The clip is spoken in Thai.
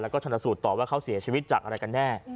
แล้วก็ชนสูตรต่อว่าเขาเสียชีวิตจากอะไรกันแน่